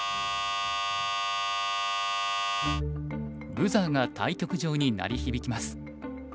ブザーが対局場に鳴り響きます。